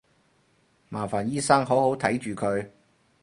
麻煩醫生好好睇住佢